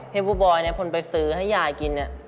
เฮฟบูบอยเนี่ยผลไปสื้อให้ยากิน